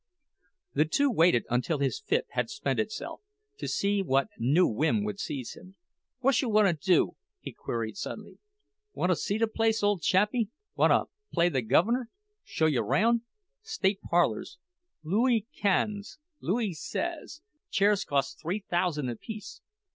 The two waited until his fit had spent itself, to see what new whim would seize him. "Whatcha wanta do?" he queried suddenly. "Wanta see the place, ole chappie? Wamme play the guv'ner—show you roun'? State parlors—Looee Cans—Looee Sez—chairs cost three thousand apiece.